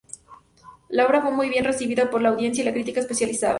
La obra fue muy bien recibida por la audiencia y la crítica especializada.